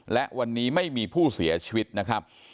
และวันนี้ไม่มีผู้เสียชีวิตนะครับ